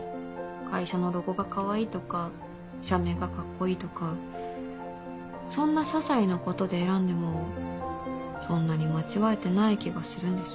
会社のロゴがかわいいとか社名がカッコいいとかそんな些細なことで選んでもそんなに間違えてない気がするんです。